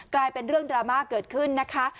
กลายเป็นเรื่องดราม่าเกิดขึ้นนะคะ